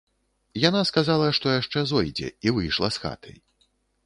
Яна сказала, што яшчэ зойдзе, і выйшла з хаты.